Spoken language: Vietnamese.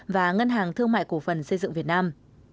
và ngân hàng thương mại cổ phần xây dựng việt nam